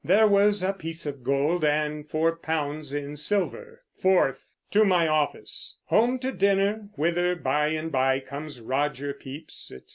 There was a piece of gold and 4£ in silver. 4th. To my office. Home to dinner, whither by and by comes Roger Pepys, etc.